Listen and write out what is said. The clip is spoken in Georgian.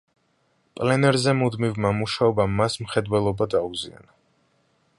პლენერზე მუდმივმა მუშაობამ მას მხედველობა დაუზიანა.